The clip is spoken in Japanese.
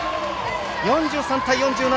４３対４７。